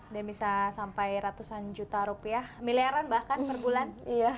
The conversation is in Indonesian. dan bisa sampai ratusan juta rupiah miliaran bahkan per bulan